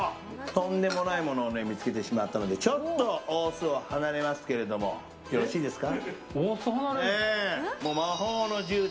とんでもないものを見つけてしまったのでちょっと、大須を離れますがよろしいですか？